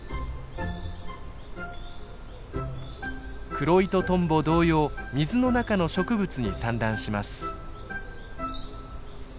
クロイトトンボ同様水の中の植物に産卵します。